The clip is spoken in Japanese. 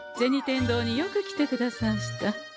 天堂によく来てくださんした。